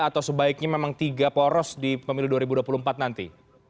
atau sebaiknya memang tiga poros di pemilu dua ribu dua puluh empat nanti